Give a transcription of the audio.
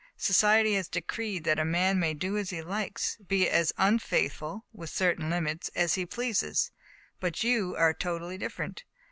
Society has decreed that a man may do as he likes, be as unfaithful (within certain limits) as he pleases ; but you are totally different.